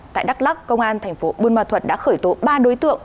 tại đắk lắc công an tp buôn ma thuật đã khởi tố ba đối tượng